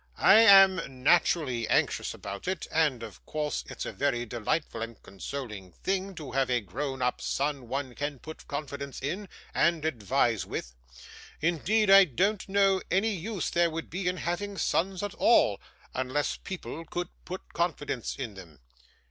I am naturally anxious about it, and of course it's a very delightful and consoling thing to have a grown up son that one can put confidence in, and advise with; indeed I don't know any use there would be in having sons at all, unless people could put confidence in them.